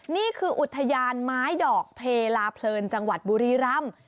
นี่คืออุทยานไม้ดอกเพลาเพลินจังหวัดบุรีรำ